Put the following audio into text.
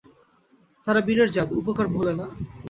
তারা বীরের জাত, উপকার ভোলে না।